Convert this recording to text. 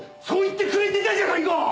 そう言ってくれてたじゃないか！